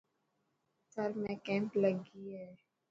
ٿر ۾ ڪيمپ لگي هي.